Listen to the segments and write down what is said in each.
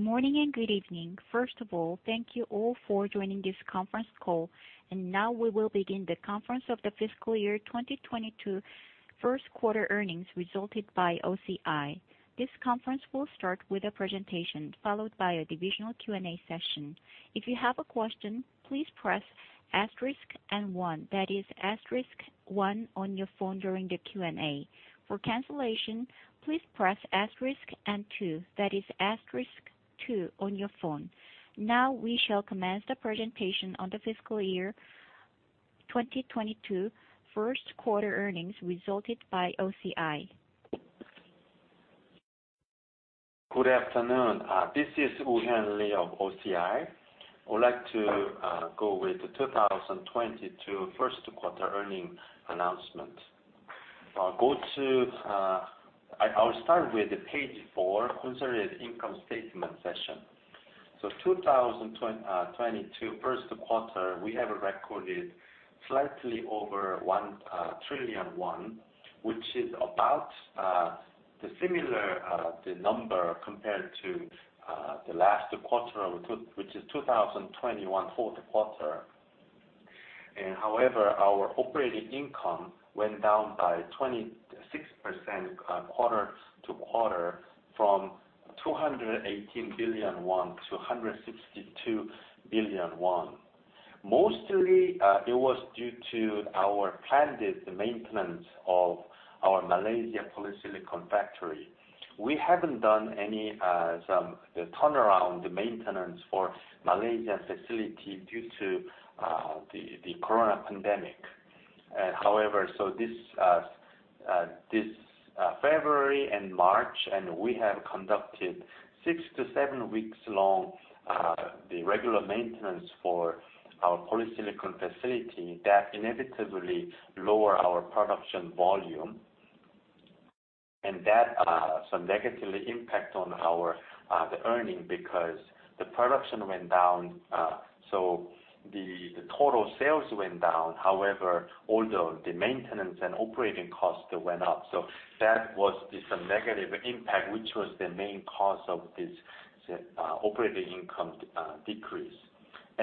Good morning and good evening. First of all, thank you all for joining this conference call. Now we will begin the conference on the Fiscal Year 2022 Q1 Earnings Results by OCI. This conference will start with a presentation, followed by a divisional Q&A session. If you have a question, please press asterisk and one. That is asterisk one on your phone during the Q&A. For cancellation, please press asterisk and two, that is asterisk two on your phone. Now we shall commence the presentation on the Fiscal Year 2022 Q1 Earnings Results by OCI. Good afternoon. This is Woo-Hyun Lee of OCI. I would like to go with the 2022 Q1 earning announcement. I'll go to... I'll start with the page four, consolidated income statement section. 2022 Q1, we have recorded slightly over 1 trillion won, which is about the similar the number compared to the last quarter, which is 2021 Q4. However, our operating income went down by 26%, quarter to quarter from 218 billion won to 162 billion won. Mostly it was due to our planned maintenance of our Malaysia polysilicon factory. We haven't done any turnaround maintenance for Malaysia facility due to the corona pandemic. However, this February and March, we have conducted six to seven weeks long the regular maintenance for our polysilicon facility that inevitably lowered our production volume. That somewhat negatively impacted our earnings because the production went down, so the total sales went down, however although the maintenance and operating costs went up. That was a negative impact, which was the main cause of this operating income decrease.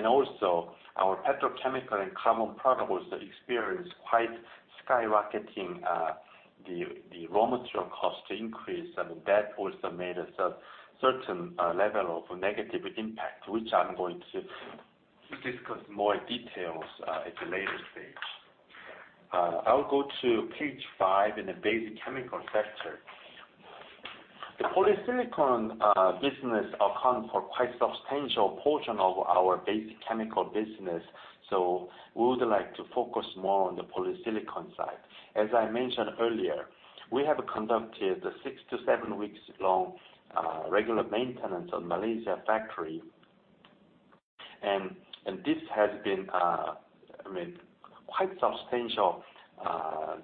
Also, our petrochemical and carbon products experienced quite a skyrocketing raw material cost increase, and that also made a certain level of negative impact, which I'm going to discuss in more detail at a later stage. I'll go to page five in the basic chemical sector. The polysilicon business account for quite substantial portion of our basic chemical business, so we would like to focus more on the polysilicon side. As I mentioned earlier, we have conducted the six to seven weeks long regular maintenance on Malaysian factory. This has been, I mean, quite substantial,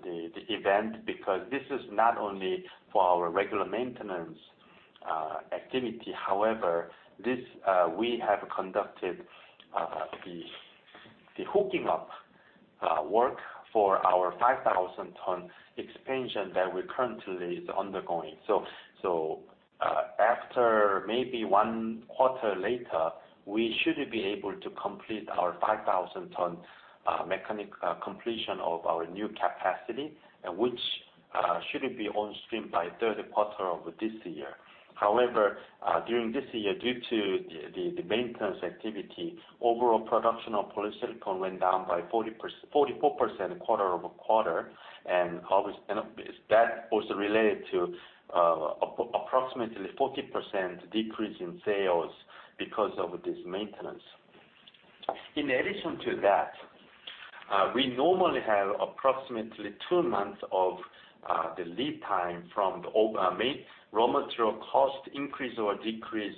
the event because this is not only for our regular maintenance activity, however, this we have conducted the hooking up work for our 5,000 ton expansion that we currently is undergoing. After maybe one quarter later, we should be able to complete our 5,000 ton mechanical completion of our new capacity, which should be on stream by Q3 of this year. However, during this year, due to the maintenance activity, overall production of polysilicon went down by 44% quarter-over-quarter. That also related to approximately 40% decrease in sales because of this maintenance. In addition to that, we normally have approximately two months of the lead time from the main raw material cost increase or decrease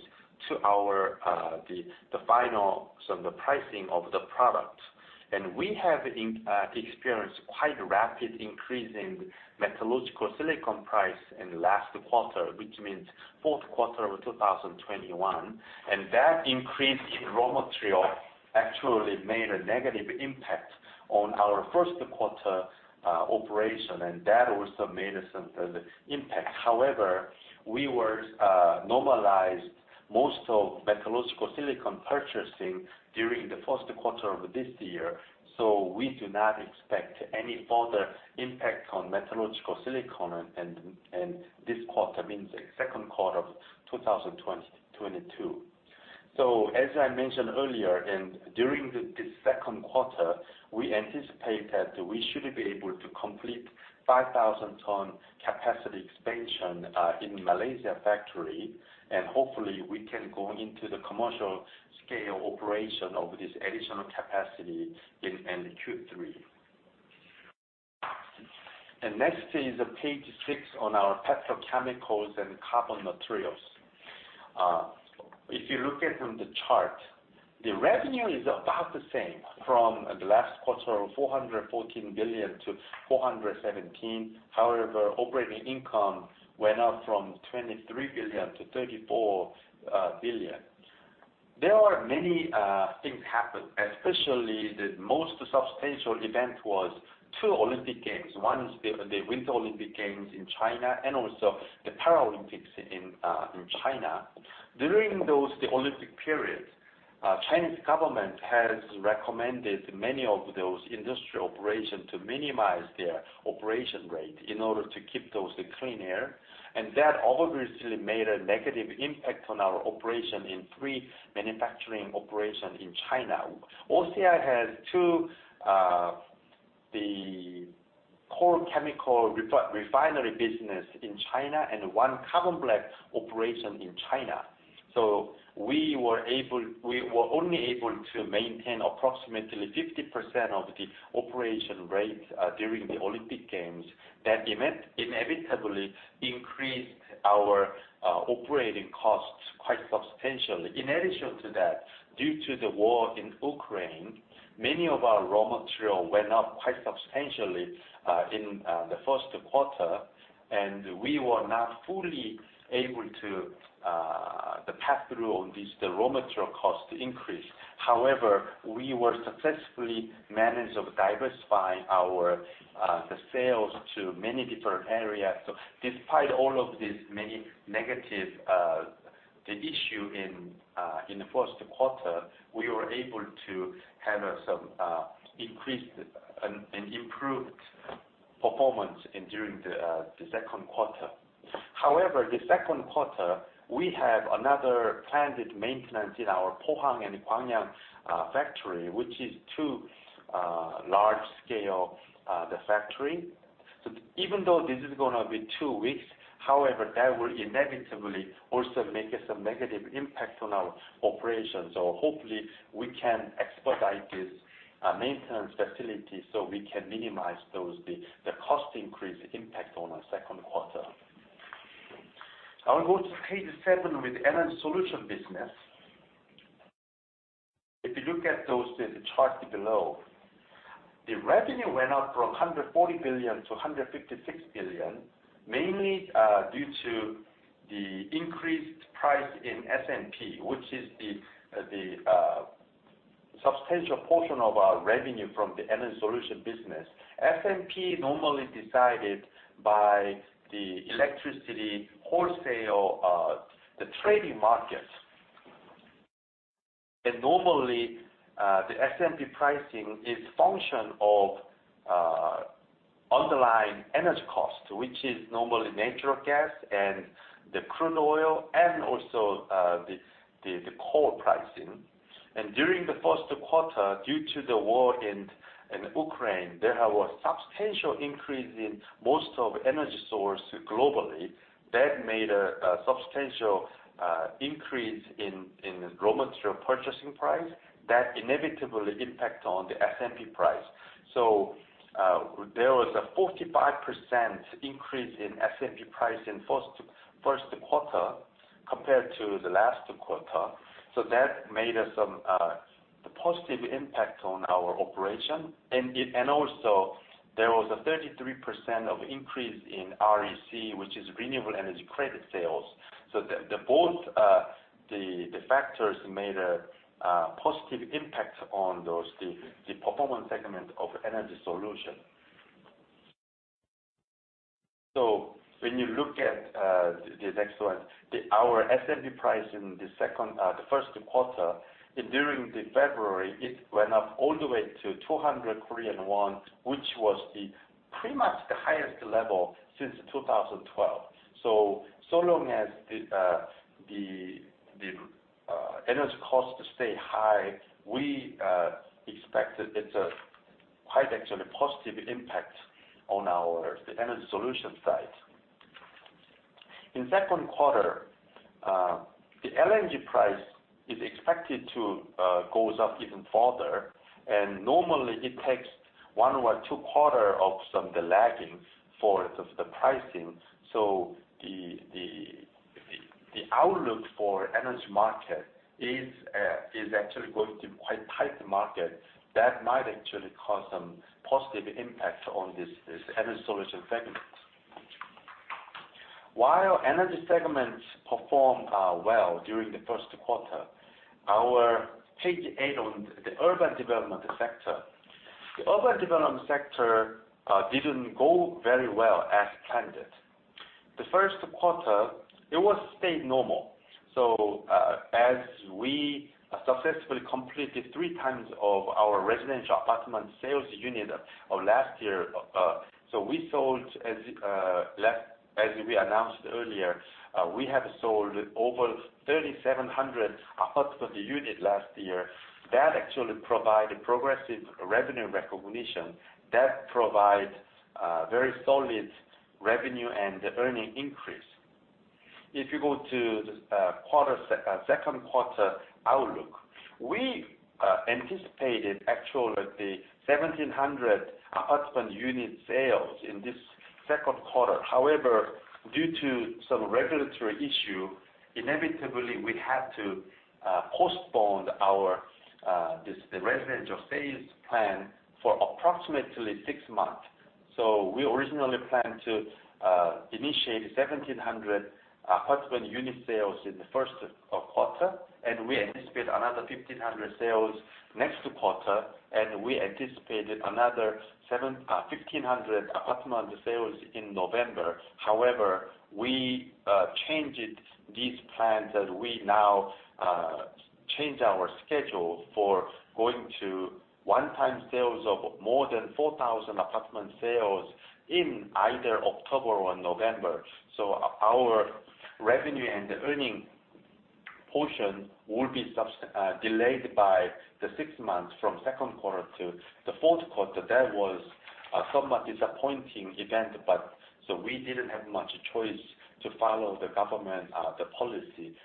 to the final pricing of the product. We have experienced quite rapid increase in metallurgical silicon price in last quarter, which means Q4 of 2021. That increase in raw material actually made a negative impact on our Q1 operation, and that also made a certain impact. However, we were normalized most of metallurgical silicon purchasing during the Q1 of this year, so we do not expect any further impact on metallurgical silicon and this quarter, means Q2 of 2022. As I mentioned earlier, during this Q2, we anticipate that we should be able to complete 5,000 ton capacity expansion in Malaysia factory, and hopefully we can go into the commercial scale operation of this additional capacity in Q3. Next is page six on our petrochemicals and carbon materials. If you look at the chart, the revenue is about the same from the last quarter of 414 billion to 417 billion. However, operating income went up from 23 to 34 billion. There are many things happen, especially the most substantial event was Winter Olympic Games. One is the Winter Olympic Games in China, and also the Paralympics in China. During those Olympic periods, Chinese government has recommended many of those industry operation to minimize their operation rate in order to keep the clean air. That obviously made a negative impact on our operation in three manufacturing operation in China. OCI has two core chemical refinery business in China and one carbon black operation in China. We were only able to maintain approximately 50% of the operation rate during the Olympic Games. That inevitably increased our operating costs quite substantially. In addition to that, due to the war in Ukraine, many of our raw materials went up quite substantially in the first quarter, and we were not fully able to pass through on this the raw material cost increase. However, we successfully managed diversifying our sales to many different areas. Despite all of these many negative issues in the Q1, we were able to have some increased and improved performance during the Q2. However, in the second quarter, we have another planned maintenance in our Pohang and Gwangyang factory, which are two large-scale factories. Even though this is gonna be two weeks, however, that will inevitably also make some negative impact on our operations, or hopefully we can expedite this maintenance facility so we can minimize those the cost increase impact on our Q2. I will go to page seven with Energy Solution business. If you look at the chart below, the revenue went up from 140 to 156 billion, mainly due to the increased price in SMP, which is the substantial portion of our revenue from the Energy Solution business. SMP normally decided by the electricity wholesale the trading market. Normally the SMP pricing is function of underlying energy cost, which is normally natural gas and the crude oil and also the coal pricing. During the Q1, due to the war in Ukraine, there was substantial increase in most of energy source globally. That made a substantial increase in raw material purchasing price. That inevitably impact on the SMP price. There was a 45% increase in SMP price in Q1 compared to the last quarter. That made us some positive impact on our operation. Also there was a 33% of increase in REC, which is renewable energy credit sales. The both factors made a positive impact on the performance segment of energy solution. When you look at the next one, our SMP price in the second half of the Q1, and during February, it went up all the way to 200 Korean won, which was pretty much the highest level since 2012. So long as the energy costs stay high, we expect it's actually quite a positive impact on our energy solution side. In Q2, the LNG price is expected to go up even further, and normally it takes one or two quarters of some lag for the pricing. The outlook for energy market is actually going to be quite tight market. That might actually cause some positive impact on this energy solution segment. While energy segments performed well during the Q1, our page eight on the urban development sector. The urban development sector didn't go very well as planned. The Q1, it stayed normal. As we successfully completed three times of our residential apartment sales unit of last year, as we announced earlier, we have sold over 3,700 apartment unit last year. That actually provide progressive revenue recognition that provide very solid revenue and earnings increase. If you go to Q2 outlook, we anticipated actually 1,700 apartment unit sales in this Q2. However, due to some regulatory issue, inevitably we had to postpone our residential sales plan for approximately six months. We originally planned to initiate 1,700 apartment unit sales in the Q1, and we anticipate another 1,500 sales next quarter, and we anticipated another 1500 apartment sales in November. However, we changed these plans that we now change our schedule for going to one-time sales of more than 4,000 apartment sales in either October or November. Our revenue and the earning portion will be delayed by the six months from Q2 to the Q4. That was somewhat disappointing event, but we didn't have much choice to follow the government the policy.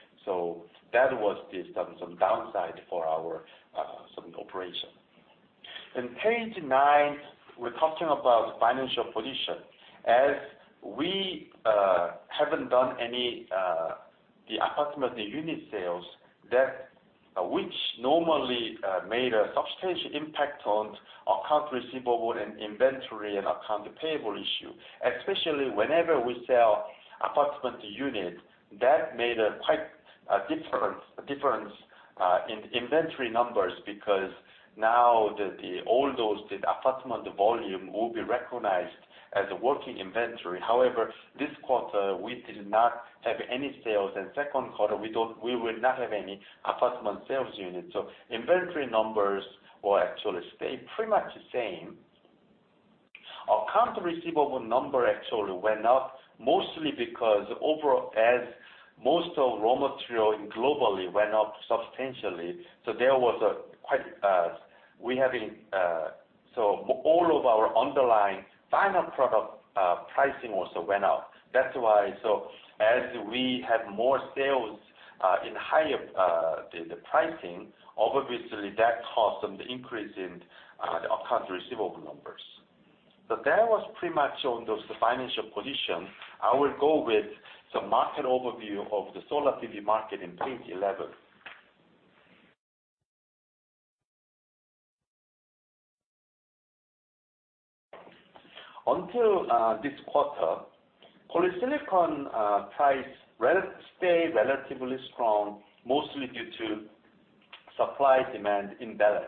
That was the some downside for our some operation. In page nine, we're talking about financial position. As we haven't done any of the apartment unit sales that which normally made a substantial impact on accounts receivable and inventory and accounts payable issue. Especially whenever we sell apartment unit, that made quite a difference in inventory numbers because now all those apartment volume will be recognized as a working inventory. However, this quarter, we did not have any sales, and Q2 we will not have any apartment sales units. Inventory numbers will actually stay pretty much the same. Accounts receivable number actually went up mostly because overall, as most of raw material globally went up substantially, so there was quite an increase in so all of our underlying final product pricing also went up. As we have more sales in higher pricing, obviously, that caused some increase in the accounts receivable numbers. That was pretty much on those financial position. I will go with some market overview of the solar PV market in 2011. Until this quarter, polysilicon prices stayed relatively strong, mostly due to supply-demand imbalance.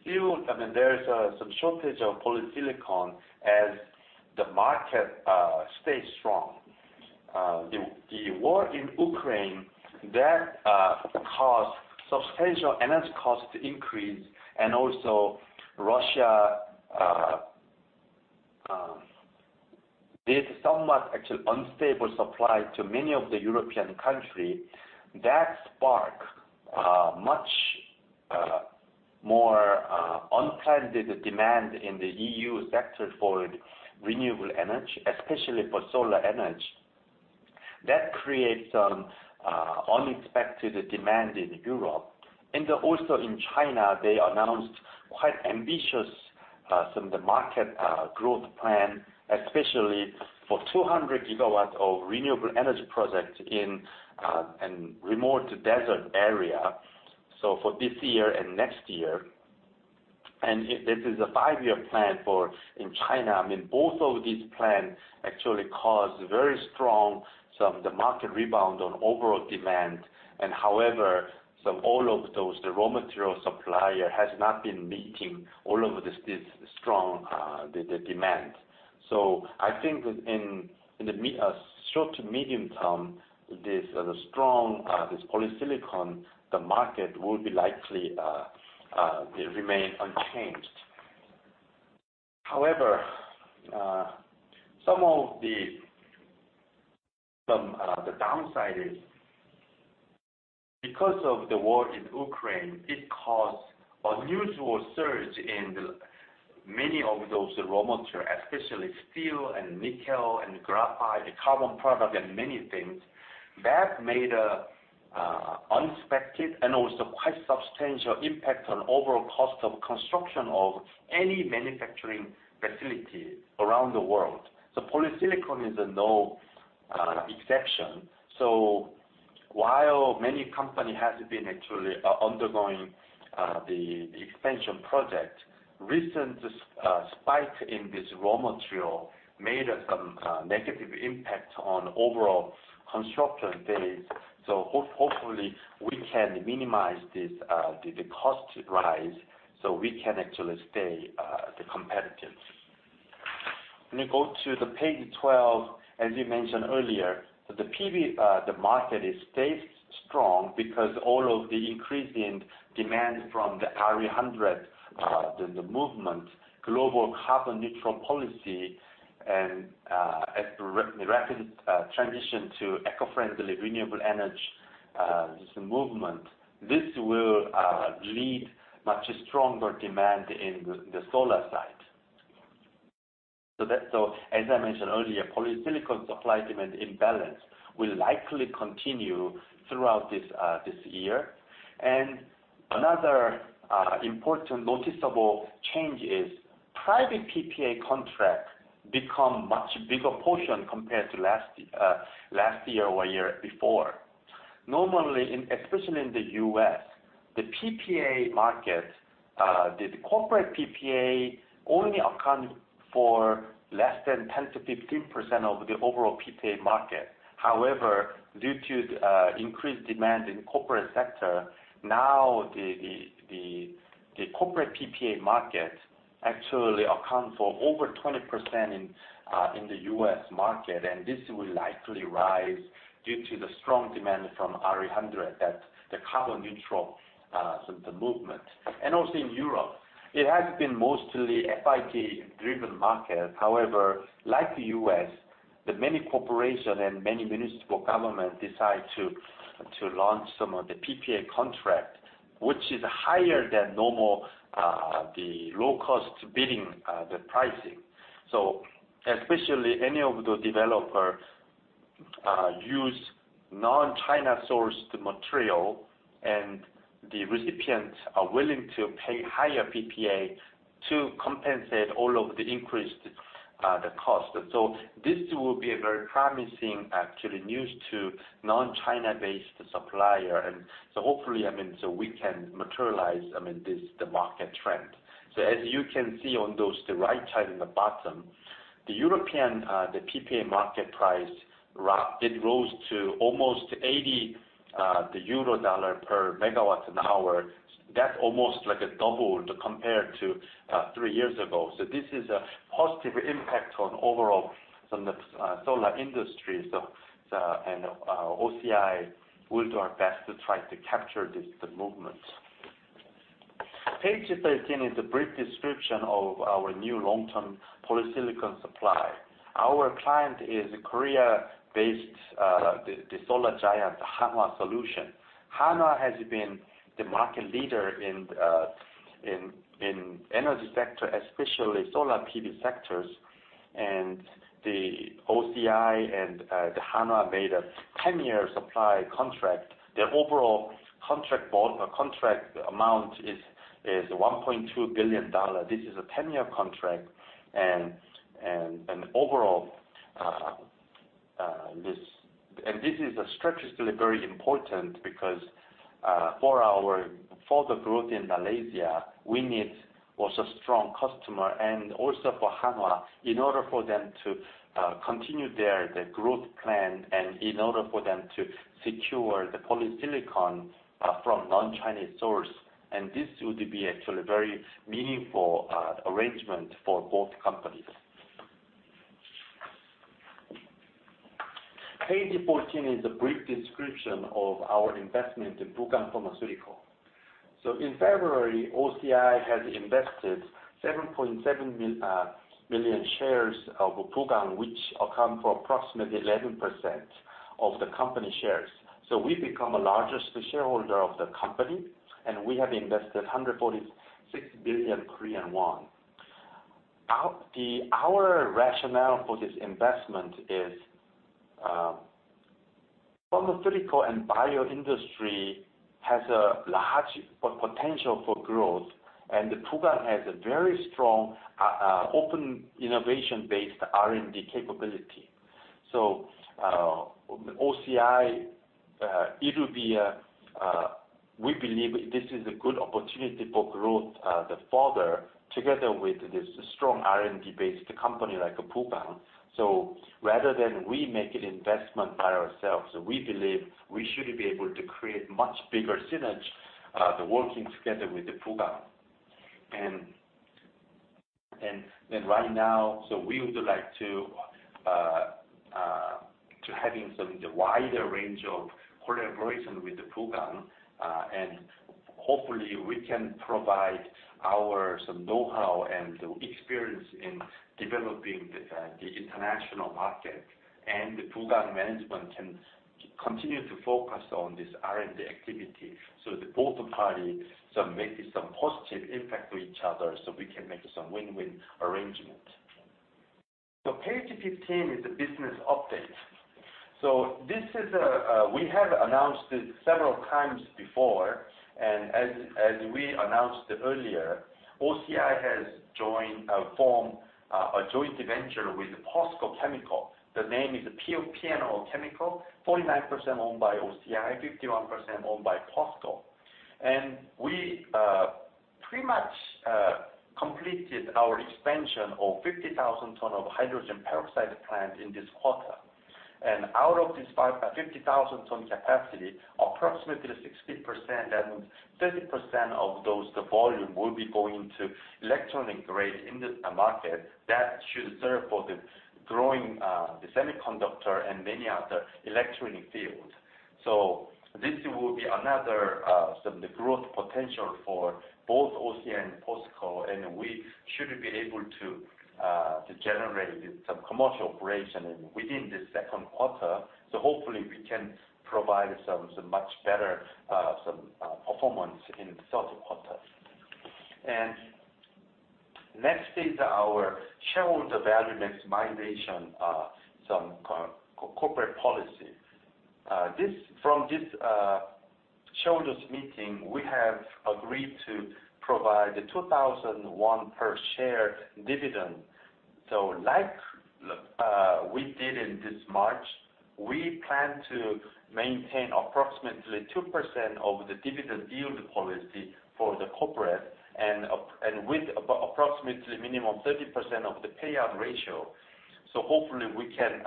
Still, I mean, there is some shortage of polysilicon as the market stays strong. The war in Ukraine that caused substantial energy cost increase and also Russia's somewhat actually unstable supply to many of the European countries, that sparked much more unprecedented demand in the EU sector for renewable energy, especially for solar energy. That creates some unexpected demand in Europe. In China, they announced quite ambitious market growth plan, especially for 200 gigawatts of renewable energy project in remote desert area, so for this year and next year. This is a five-year plan in China. I mean, both of these plan actually caused very strong market rebound on overall demand. However, all of those raw material supplier has not been meeting all of this strong demand. I think in short to medium term, this strong polysilicon market will likely remain unchanged. However, some of the downside is because of the war in Ukraine, it caused unusual surge in the many of those raw material, especially steel and nickel and graphite, carbon product and many things. That made an unexpected and also quite substantial impact on overall cost of construction of any manufacturing facility around the world. Polysilicon is no exception. While many company has been actually undergoing the expansion project, recent spike in this raw material made some negative impact on overall construction phase. Hopefully, we can minimize this cost rise, so we can actually stay competitive. When you go to the page 12, as we mentioned earlier, the PV market stays strong because all of the increase in demand from the RE100, the movement, global carbon neutral policy, and as the rapid transition to eco-friendly renewable energy, this movement will lead much stronger demand in the solar side. That's so, as I mentioned earlier, polysilicon supply-demand imbalance will likely continue throughout this year. Another important noticeable change is corporate PPA contracts become much bigger portion compared to last year or year before. Normally, especially in the U.S., the PPA market, the corporate PPA only account for less than 10% to15% of the overall PPA market. However, due to the increased demand in corporate sector, now the corporate PPA market actually account for over 20% in the U.S. market, and this will likely rise due to the strong demand from RE100 at the carbon neutral so the movement. Also in Europe, it has been mostly FIT-driven market. However, like the U.S., the many corporation and many municipal government decide to launch some of the PPA contract, which is higher than normal the low cost bidding the pricing. Especially any of the developer use non-China sourced material, and the recipients are willing to pay higher PPA to compensate all of the increased the cost. This will be a very promising, actually, news to non-China-based supplier, and so hopefully, I mean, so we can materialize, I mean, this the market trend. As you can see on those, the right side in the bottom, the European PPA market price rose to almost 80 euro dollar per megawatt an hour. That's almost like a double compared to three years ago. This is a positive impact on overall some of the solar industry. OCI will do our best to try to capture this movement. Page 13 is a brief description of our new long-term polysilicon supply. Our client is Korea-based, the solar giant, Hanwha Solutions. Hanwha has been the market leader in energy sector, especially solar PV sectors. OCI and Hanwha made a 10-year supply contract. The overall contract amount is $1.2 billion. This is a 10-year contract, and overall, this is strategically very important because for our further growth in Malaysia, we need also strong customer and also for Hanwha in order for them to continue their growth plan and in order for them to secure the polysilicon from non-Chinese source, and this would be actually very meaningful arrangement for both companies. Page 14 is a brief description of our investment in Bukwang Pharmaceutical. In February, OCI has invested 7.7 million shares of Bukwang, which account for approximately 11% of the company shares. We become the largest shareholder of the company, and we have invested 146 billion Korean won. Our rationale for this investment is, pharmaceutical and bio industry has a large potential for growth, and the Bukwang has a very strong, open innovation-based R&D capability. OCI, it will be, we believe this is a good opportunity for growth, the further together with this strong R&D-based company like Bukwang. Rather than we make an investment by ourselves, we believe we should be able to create much bigger synergy, the working together with the Bukwang. Right now, we would like to having some of the wider range of collaboration with the Bukwang, and hopefully we can provide our some know-how and experience in developing the international market. The Bukwang management can continue to focus on this R&D activity, so both parties are making some positive impact to each other, so we can make some win-win arrangement. Page 15 is the business update. This is, we have announced it several times before, and as we announced earlier, OCI has formed a joint venture with POSCO Chemical. The name is PNO Chemical, 49% owned by OCI, 51% owned by POSCO. We pretty much completed our expansion of 50,000 ton hydrogen peroxide plant in this quarter. Out of this 50,000 ton capacity, approximately 60%, that means 30% of those, the volume will be going to electronic grade in the market that should serve for the growing semiconductor and many other electronic field. This will be another the growth potential for both OCI and POSCO, and we should be able to generate some commercial operation within this Q2. Hopefully we can provide some much better performance in the Q3. Next is our shareholder value maximization corporate policy. From this shareholders meeting, we have agreed to provide the 2,000 won per share dividend. Like we did in this March, we plan to maintain approximately 2% of the dividend yield policy for the corporate and with approximately minimum 30% of the payout ratio. Hopefully we can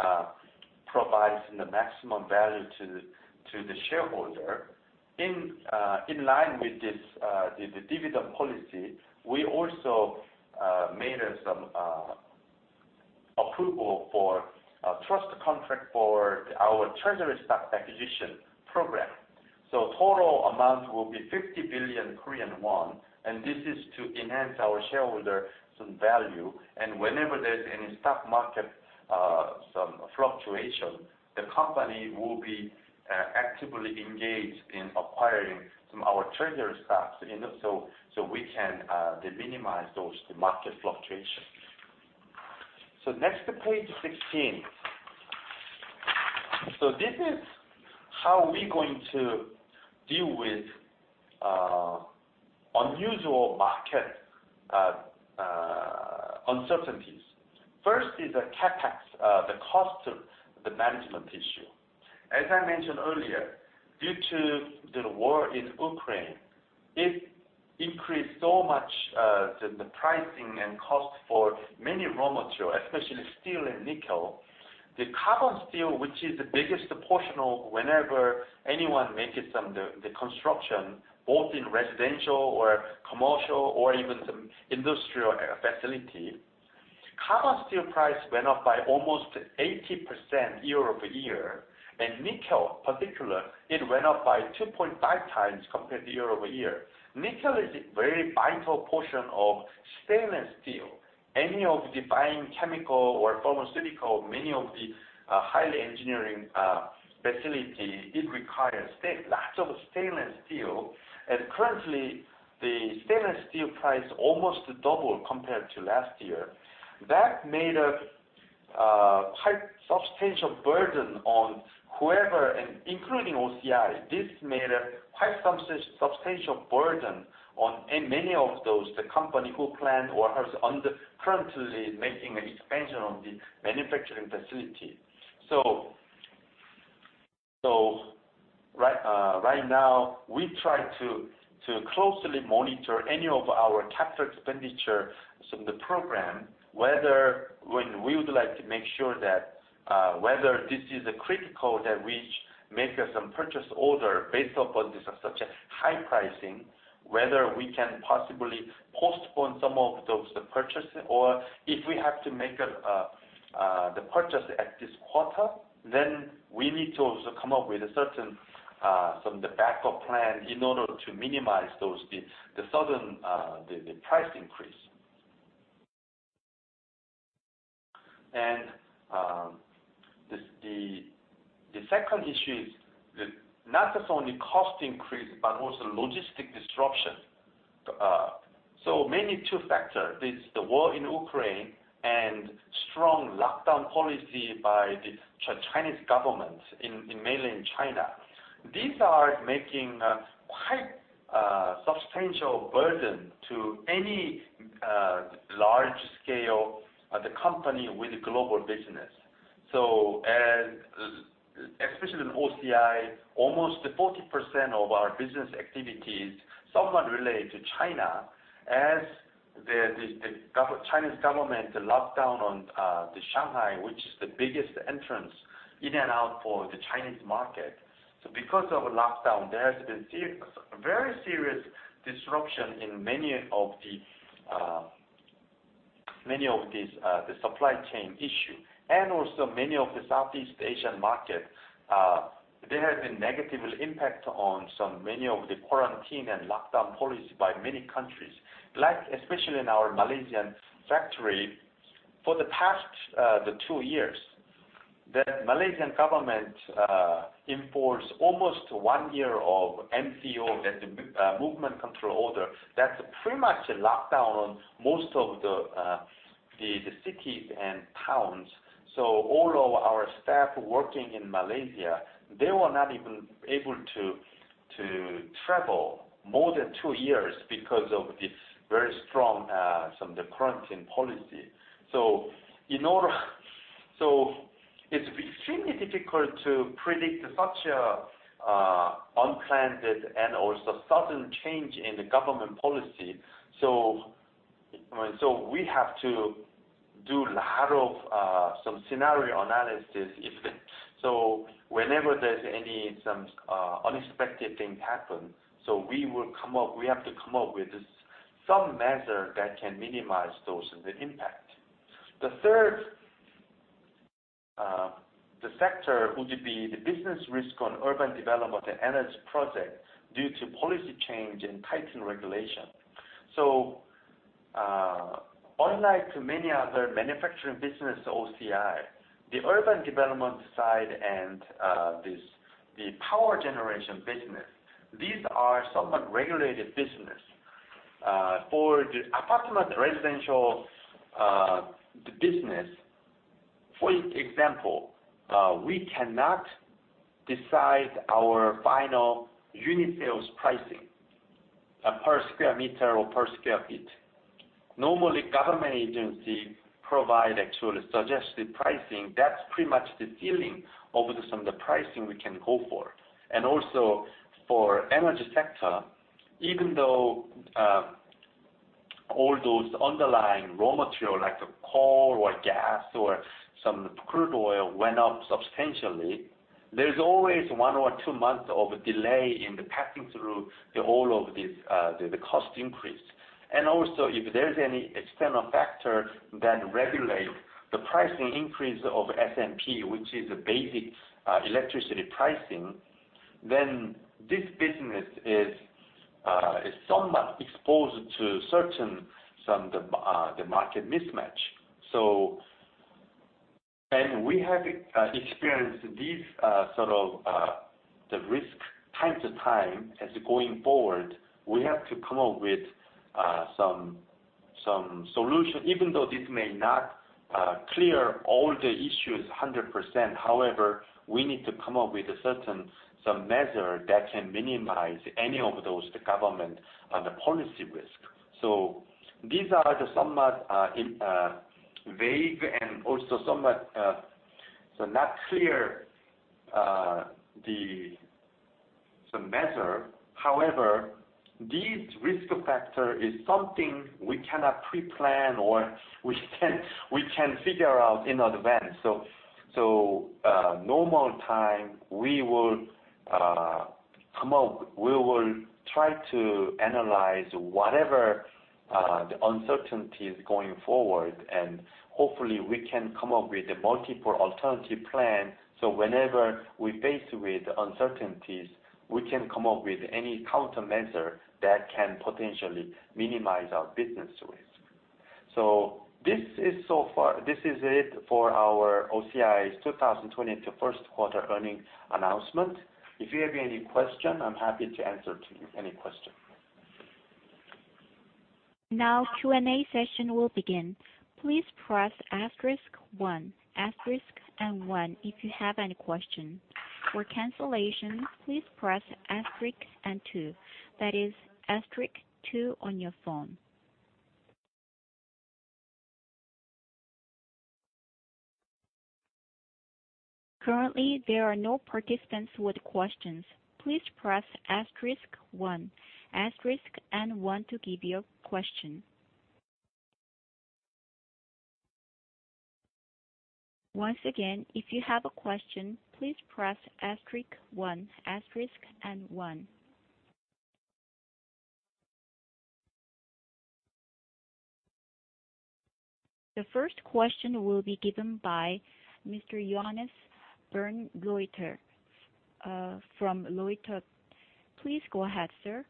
provide some maximum value to the shareholder. In line with this, the dividend policy, we also made some approval for a trust contract for our treasury stock acquisition program. Total amount will be 50 billion Korean won, and this is to enhance our shareholder value. Whenever there's any stock market fluctuation, the company will be actively engaged in acquiring our treasury stocks, you know, so we can minimize the market fluctuation. Next page 16. This is how we're going to deal with unusual market uncertainties. First is the CapEx, the cost management issue. As I mentioned earlier, due to the war in Ukraine, it increased so much, the pricing and cost for many raw materials, especially steel and nickel. The carbon steel, which is the biggest portion of whatever anyone making some the construction, both in residential or commercial or even some industrial facility. Carbon steel price went up by almost 80% year-over-year, and nickel, in particular, it went up by 2.5x compared to year-over-year. Nickel is a very vital portion of stainless steel. Any of the fine chemical or pharmaceutical, many of the highly engineered facility, it requires lots of stainless steel. Currently, the stainless steel price almost double compared to last year. That made a quite substantial burden on whoever, including OCI, in many of those, the company who plan or has currently making an expansion of the manufacturing facility. Right now we try to closely monitor any of our capital expenditure from the program, whether we would like to make sure that this is critical that we make some purchase order based upon this, such as high pricing, whether we can possibly postpone some of those purchases. Or if we have to make the purchase at this quarter, then we need to also come up with some backup plan in order to minimize the sudden price increase. The second issue is not just only cost increase, but also logistics disruption. Mainly two factors, the war in Ukraine and strong lockdown policy by the Chinese government in mainland China. These are making a quite substantial burden to any large scale the company with global business. Especially OCI, almost 40% of our business activities somewhat relate to China as the Chinese government lockdown on Shanghai, which is the biggest entrance in and out for the Chinese market. Because of lockdown, there has been very serious disruption in many of the supply chain issue. Also many of the Southeast Asian market there has been negative impact on many of the quarantine and lockdown policy by many countries. Like especially in our Malaysian factory, for the past two years, the Malaysian government enforced almost one year of MCO, that's movement control order. That's pretty much a lockdown on most of the cities and towns. All of our staff working in Malaysia, they were not even able to to travel more than two years because of this very strong quarantine policy. It's extremely difficult to predict such a unplanned and also sudden change in the government policy. We have to do lot of scenario analysis. Whenever there's any unexpected things happen, we have to come up with this some measure that can minimize those the impact. The third the sector would be the business risk on urban development and energy project due to policy change and tightened regulation. Unlike many other manufacturing business OCI, the urban development side and this the power generation business, these are somewhat regulated business. For the apartment residential, the business. For example, we cannot decide our final unit sales pricing, per square meter or per square foot. Normally, government agency provide actually suggested pricing. That's pretty much the ceiling over some of the pricing we can go for. For energy sector, even though all those underlying raw material like the coal or gas or some crude oil went up substantially, there's always one or two months of delay in the passing through all of these, the cost increase. If there's any external factor that regulate the pricing increase of SMP, which is basic electricity pricing, then this business is somewhat exposed to certain some of the market mismatch. We have experienced these sort of risks from time to time and going forward, we have to come up with some solution. Even though this may not clear all the issues 100%. However, we need to come up with a certain measure that can minimize any of those, the government policy risk. These are somewhat vague and also somewhat not clear, the measure. However, this risk factor is something we cannot pre-plan or we can figure out in advance. In normal times we will try to analyze whatever the uncertainties going forward, and hopefully we can come up with multiple alternative plans. Whenever we face with uncertainties, we can come up with any countermeasure that can potentially minimize our business risk. This is it for our OCI's 2022 Q1 earnings announcement. If you have any question, I'm happy to answer to any question. Now Q&A session will begin. Please press asterisk one, asterisk and one if you have any question. For cancellation, please press asterisk and two, that is asterisk two on your phone. Currently, there are no participants with questions. Please press asterisk one, asterisk and one to give your question. Once again, if you have a question, please press asterisk one, asterisk and one. The first question will be given by Mr. Johannes Bernreuter from Bernreuter. Please go ahead, sir.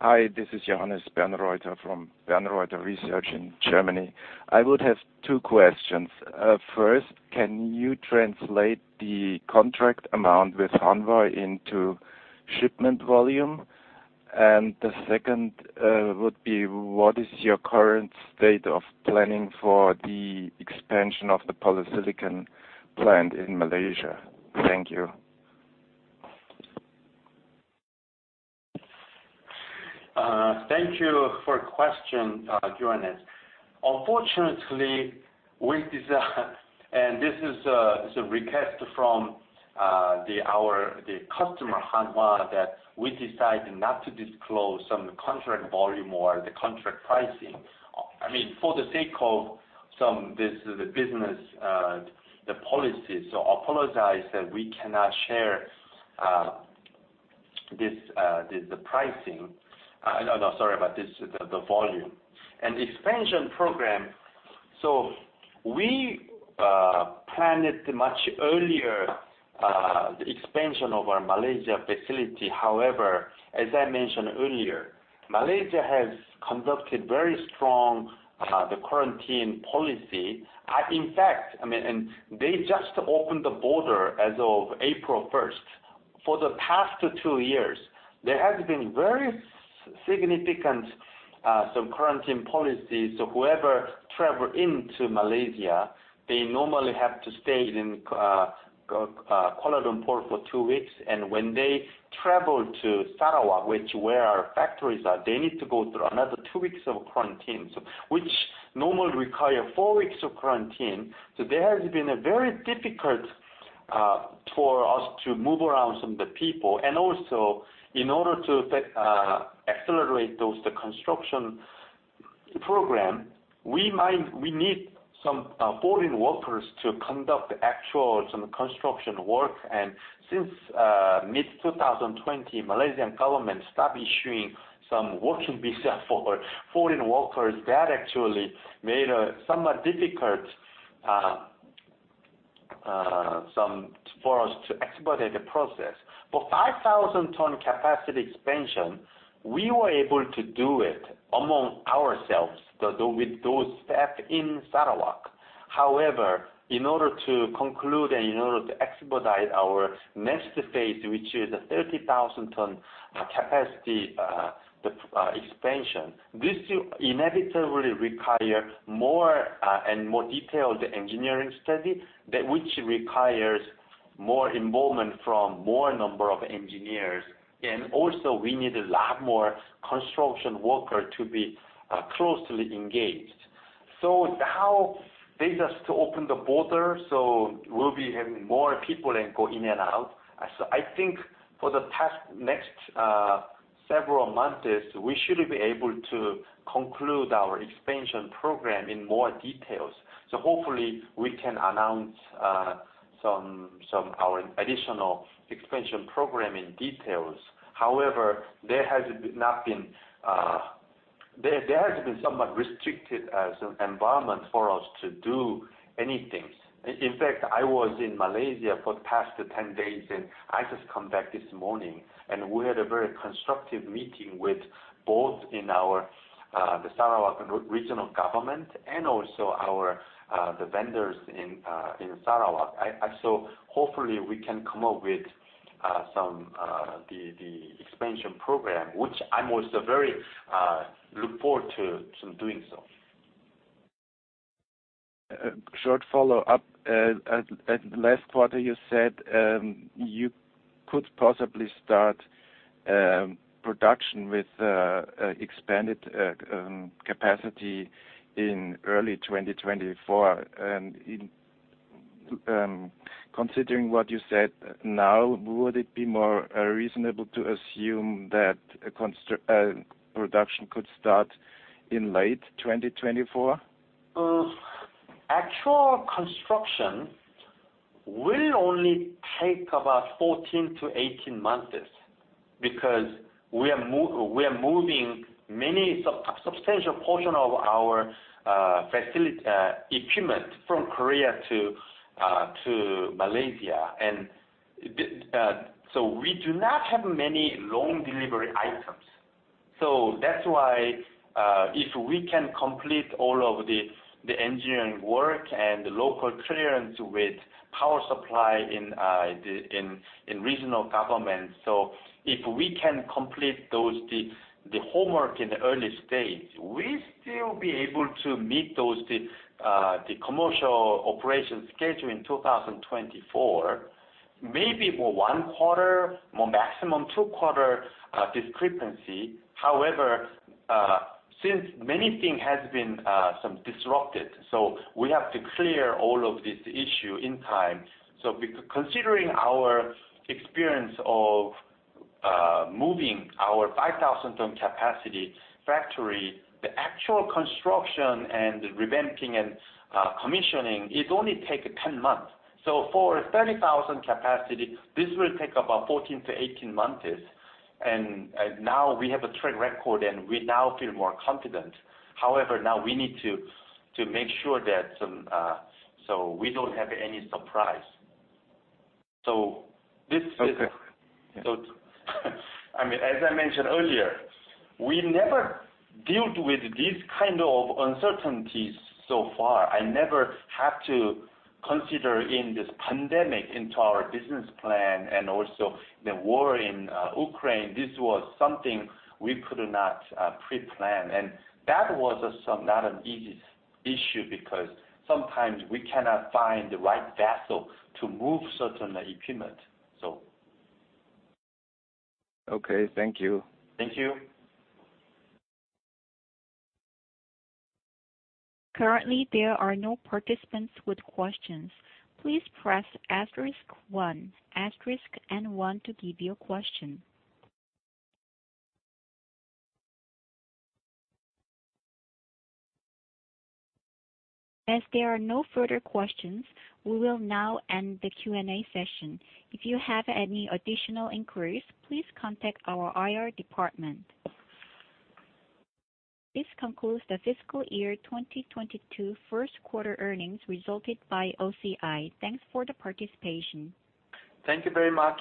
Hi, this is Johannes Bernreuter from Bernreuter Research in Germany. I would have two questions. First, can you translate the contract amount with Hanwha into shipment volume? The second would be, what is your current state of planning for the expansion of the polysilicon plant in Malaysia? Thank you. Thank you for question, Johannes. Unfortunately, and this is a request from the customer, Hanwha, that we decide not to disclose some contract volume or the contract pricing. I mean, for the sake of some, this, the business, the policy. Apologize that we cannot share this, the pricing. No, sorry, but this, the volume. Expansion program, we planned it much earlier, the expansion of our Malaysia facility. However, as I mentioned earlier, Malaysia has conducted very strong, the quarantine policy. In fact, I mean, and they just opened the border as of 1st April. For the past two years, there has been very significant, some quarantine policies. Whoever travel into Malaysia, they normally have to stay in Kuala Lumpur for two weeks. When they travel to Sarawak, where our factories are, they need to go through another two weeks of quarantine, which normally requires four weeks of quarantine. There has been a very difficult for us to move around some of the people. Also, in order to accelerate those, the construction program, we need some foreign workers to conduct the actual some construction work. Since mid-2020, Malaysian government stopped issuing some working visa for foreign workers. That actually made somewhat difficult, some, for us to expedite the process. 5,000 ton capacity expansion, we were able to do it among ourselves with those staff in Sarawak. However, in order to conclude and in order to expedite our next phase, which is a 30,000 ton capacity expansion, this will inevitably require more and more detailed engineering study that which requires more involvement from more number of engineers. We also need a lot more construction worker to be closely engaged. Now they just open the border, so we'll be having more people and go in and out. I think in the next several months, we should be able to conclude our expansion program in more details. Hopefully we can announce some of our additional expansion program in details. However, there has not been there has been somewhat restrictive business environment for us to do anything. In fact, I was in Malaysia for the past 10 days, and I just come back this morning, and we had a very constructive meeting with both the Sarawak regional government and also the vendors in Sarawak. Hopefully we can come up with some the expansion program, which I'm also very look forward to doing so. Short follow-up. At last quarter you said you could possibly start production with expanded capacity in early 2024. Considering what you said now, would it be more reasonable to assume that production could start in late 2024? Actual construction will only take about 14 to 18 months because we are moving many substantial portion of our facility equipment from Korea to Malaysia. We do not have many long delivery items. That's why if we can complete all of the engineering work and the local clearance with power supply in the regional government. If we can complete those the homework in the early stage, we still be able to meet those the commercial operations schedule in 2024, maybe for one quarter, or maximum two quarter discrepancy. However, since many thing has been somewhat disrupted, we have to clear all of this issue in time. Considering our experience of moving our 5,000 ton capacity factory, the actual construction and revamping and commissioning, it only take 10 months. For 30,000 capacity, this will take about 14 to 18 months. Now we have a track record, and we now feel more confident. However, now we need to make sure, so we don't have any surprise. This is. Okay. I mean, as I mentioned earlier, we never dealt with this kind of uncertainties so far. I never had to consider this pandemic in our business plan and also the war in Ukraine. This was something we could not pre-plan. That was somewhat not an easy issue, because sometimes we cannot find the right vessel to move certain equipment. Okay. Thank you. Thank you. Currently, there are no participants with questions. Please press asterisk one, asterisk N one to give your question. As there are no further questions, we will now end the Q&A session. If you have any additional inquiries, please contact our IR department. This concludes The Fiscal Year 2022 Q1 Earnings Results by OCI. Thanks for the participation. Thank you very much.